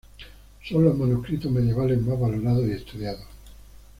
Son los manuscritos medievales más valorados y estudiados.